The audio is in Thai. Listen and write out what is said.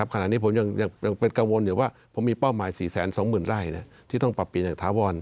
ขณะนี้ผมยังเป็นกังวลอยู่ว่าผมมีเป้าหมาย๔๒๐๐๐ไร่ที่ต้องปรับเปลี่ยนอย่างถาวร